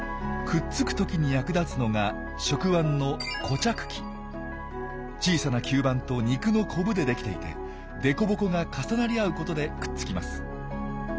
くっつく時に役立つのが触腕の小さな吸盤と肉のコブで出来ていてデコボコが重なり合うことでくっつきます。